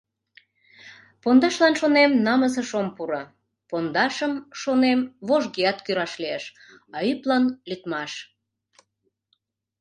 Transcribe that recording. Пондашлан, шонем, намысыш ом пуро, пондашым, шонем, вожгеат кӱраш лиеш, а ӱплан лӱдмаш.